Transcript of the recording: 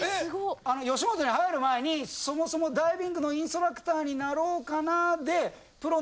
あの吉本に入る前にそもそもダイビングのインストラクターになろうかなで。